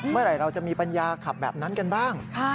เมื่อไหร่เราจะมีปัญญาขับแบบนั้นกันบ้าง